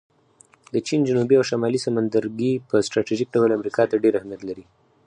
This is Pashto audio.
د چین جنوبي او شمالي سمندرګی په سټراټیژیک ډول امریکا ته ډېر اهمیت لري